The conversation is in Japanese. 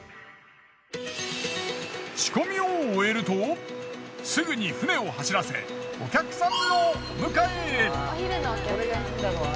仕込みを終えるとすぐに船を走らせお客さんのお迎えへ！